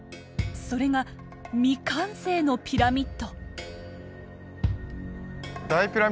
それが未完成のピラミッド。